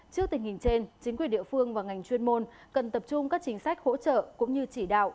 trước tình hình trên chính quyền địa phương và ngành chuyên môn cần tập trung các chính sách hỗ trợ cũng như chỉ đạo